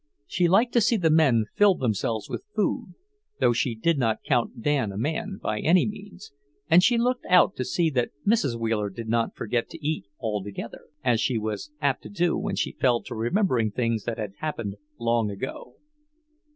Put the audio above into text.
She liked to see the men fill themselves with food though she did not count Dan a man, by any means, and she looked out to see that Mrs. Wheeler did not forget to eat altogether, as she was apt to do when she fell to remembering things that had happened long ago.